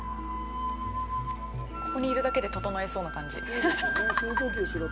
ここにいるだけでととのいそうな感じ。